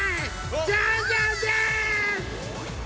ジャンジャンです！